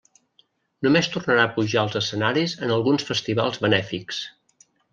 Només tornarà a pujar als escenaris en alguns festivals benèfics.